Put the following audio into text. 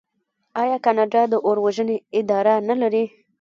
آیا کاناډا د اور وژنې اداره نلري؟